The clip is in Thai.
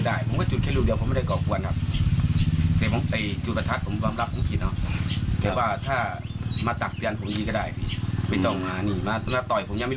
กันก่อนมึงก็พูดแบบนี้เขาก็บอกว่าถ้ามึงเป็นใครมึงอย่ามาหยุ่งอะไร